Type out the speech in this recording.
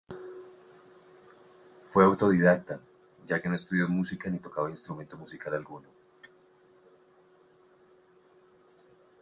Fue autodidacta, ya que no estudió música ni tocaba instrumento musical alguno.